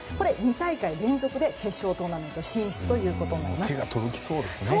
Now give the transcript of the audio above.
２大会連続で決勝トーナメント進出となります。